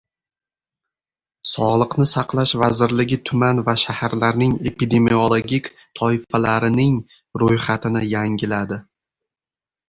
Sog‘liqni saqlash vazirligi tuman va shaharlarning epidemiologik toifalarining ro‘yxatini yangiladi.